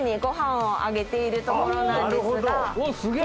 すげえ！